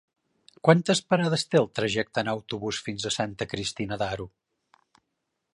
Quantes parades té el trajecte en autobús fins a Santa Cristina d'Aro?